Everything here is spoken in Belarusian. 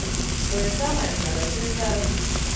Тое самае здарыцца і зараз.